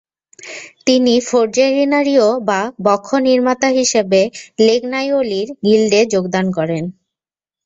তিনি ফোর্জেরিনারিও বা বক্ষ নির্মাতা হিসেবে লেগনাইওলির গিল্ডে যোগদান করেন।